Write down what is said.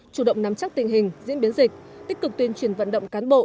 chủ động nắm chắc tình hình diễn biến dịch tích cực tuyên truyền vận động cán bộ